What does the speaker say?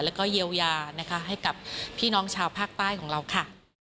แล้วก็เยียวยานะคะให้กับพี่น้องชาวภาคใต้ของเราค่ะ